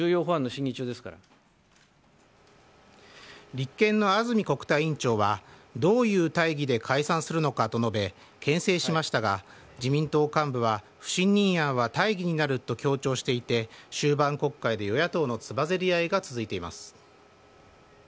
立憲の安住国対委員長はどういう大義で解散するのかと述べけん制しましたが自民党幹部は不信任案は大義になると強調していて終盤国会で与野党のつばぜり合いが続いています。